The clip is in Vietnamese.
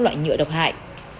loại nhựa độc hại